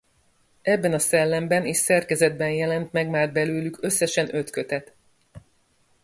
Ebben a szellemben és szerkezetben jelent meg már belőlük összesen öt kötet.